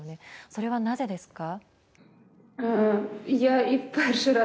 それはなぜですか。